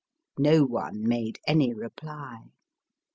No one made any reply.